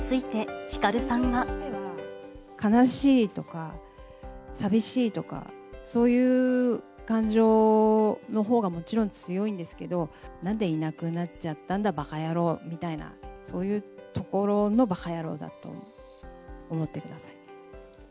悲しいとか、寂しいとか、そういう感情のほうがもちろん強いんですけど、なんでいなくなっちゃったんだ、ばかやろうみたいな、そういうところのばかやろうだと思ってください。